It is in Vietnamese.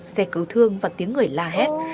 xe cứu thương và tiếng người la hét